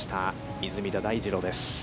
出水田大二郎です。